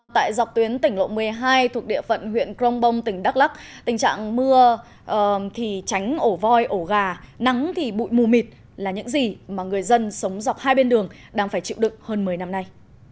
tại dọc tuyến tỉnh lộ một mươi hai thuộc địa phận huyện crong bong tỉnh đắk lắc tình trạng mưa thì tránh ổ voi ổ gà nắng thì bụi mù mịt là những gì mà người dân sống dọc hai bên đường đang phải chịu đựng hơn một mươi năm nay